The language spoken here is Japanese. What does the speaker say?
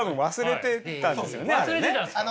忘れてたんですか？